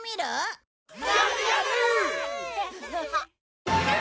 やるやる！